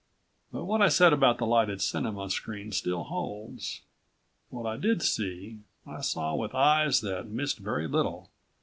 But what I said about the lighted cinema screen still holds. What I did see, I saw with eyes that missed very little.